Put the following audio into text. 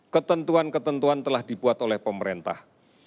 ketentuan ketentuan telah dibuat oleh pemerintah